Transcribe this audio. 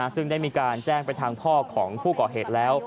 ซึ่งได้มีการแจ้งไปทางพ่อของผู้ก่อเหตุแล้ว